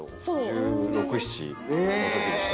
１６１７のときでした。